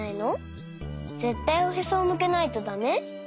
ぜったいおへそをむけないとだめ？